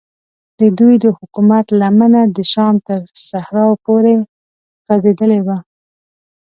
ددوی د حکومت لمنه د شام تر صحراو پورې غځېدلې وه.